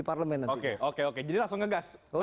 parlemen oke oke jadi langsung ngegas